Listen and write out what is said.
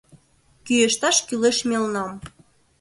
Кӱэшташ кӱлеш мелнам.